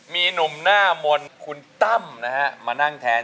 มีหนุ่มหน้ามนต์คุณตั้มนะฮะมานั่งแทน